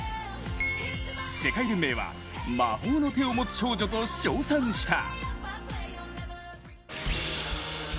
世界連盟は魔法の手を持つ少女と賞賛した。